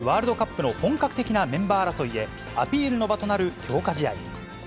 来年９月に行われるワールドカップの本格的なメンバー争いで、アピールの場となる強化試合。